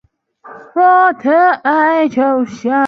博登县位美国德克萨斯州埃斯塔卡多平原边缘的一个县。